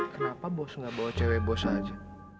kenapa bos gak bawa cewek bos aja